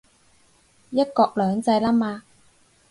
一國兩制喇嘛